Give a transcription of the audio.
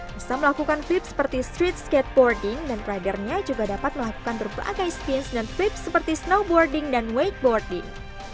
bisa melakukan flip seperti street skateboarding dan rider nya juga dapat melakukan berbagai spins dan flip seperti snowboarding dan wakeboarding